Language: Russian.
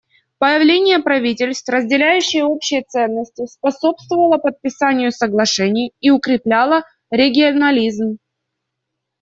Появление правительств, разделяющих общие ценности, способствовало подписанию соглашений и укрепляло регионализм.